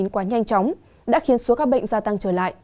quá nhanh chóng đã khiến số ca bệnh gia tăng trở lại